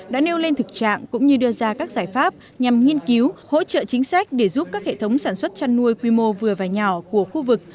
đã nêu lên thực trạng cũng như đưa ra các giải pháp nhằm nghiên cứu hỗ trợ chính sách để giúp các hệ thống sản xuất chăn nuôi quy mô vừa và nhỏ của khu vực